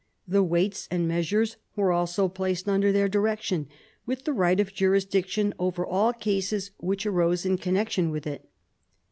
The weights and measures were also placed under their direction, with the right of jurisdiction over all cases which arose in connection with it.